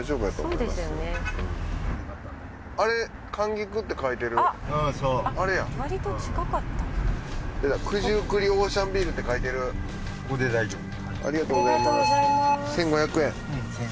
うん１，５００円。